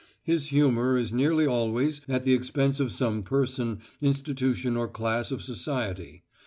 His humour is nearly always at the expense of some person, institution or class of society.